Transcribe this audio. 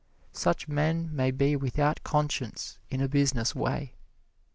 Such men may be without conscience in a business way.